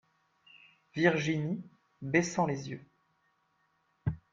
Virginie , baissant les yeux.